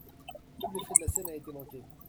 Tout l’effet de la scène a été manqué.